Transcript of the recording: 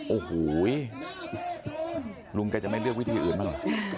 โอ้โหลุงแกจะไม่เลือกวิธีอื่นบ้างเหรอ